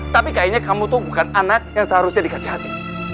tapi kayaknya kamu tuh bukan anak yang seharusnya dikasih hati